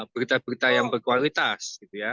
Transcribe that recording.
berita berita yang berkualitas